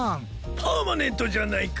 パーマネントじゃないか。